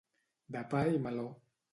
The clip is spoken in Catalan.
De pa i meló.